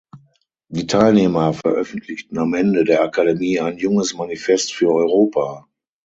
Die Teilnehmer veröffentlichten am Ende der Akademie ein "Junges Manifest für Europa".